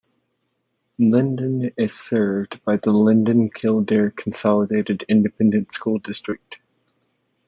Linden is served by the Linden-Kildare Consolidated Independent School District.